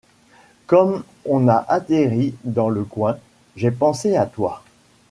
Comme on a atterri dans le coin, j’ai pensé à toi.